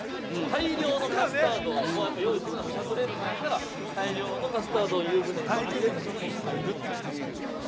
大量のカスタードを用意するのはシャトレーゼさんやから大量のカスタードを湯舟にぶわっ入れてそこに入るっていう。